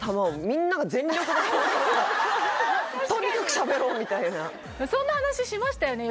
そうそうそうとにかくしゃべろうみたいなそんな話しましたよね